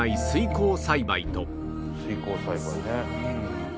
水耕栽培ね。